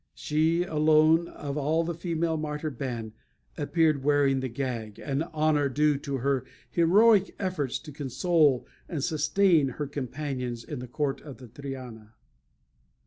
She alone, of all the female martyr band, appeared wearing the gag, an honour due to her heroic efforts to console and sustain her companions in the court of the Triana.